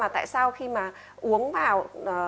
tại sao khi mà uống vào